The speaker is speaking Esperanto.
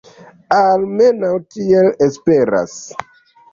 Almenaŭ tiel esperas.